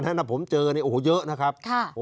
ต้นกระทั่งท่านพลตำรวจเอกศีเวลาต้องบอก